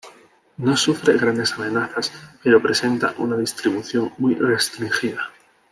No sufre grandes amenazas, pero presenta una distribución muy restringida.